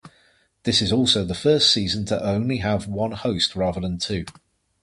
This is also the first season to only have one host rather than two.